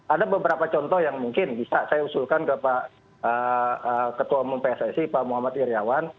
ada beberapa contoh yang mungkin bisa saya usulkan ke ketua umum pssi pak muhammad iryawan